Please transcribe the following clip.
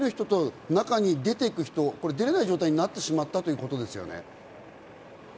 入る人と出る人が出れない状態になってしまったということですよね。